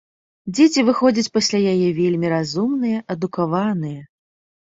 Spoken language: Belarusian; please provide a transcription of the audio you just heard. Дзеці выходзяць пасля яе вельмі разумныя, адукаваныя.